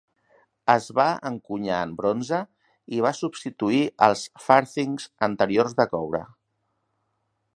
Es va encunyar en bronze i va substituir els farthings anteriors de coure.